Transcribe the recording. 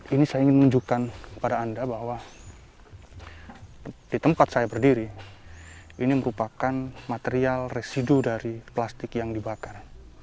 ini saya ingin menunjukkan kepada anda bahwa di tempat saya berdiri ini merupakan material residu dari plastik yang dibakar